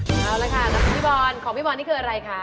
เอาละค่ะแล้วพี่บอลของพี่บอลนี่คืออะไรคะ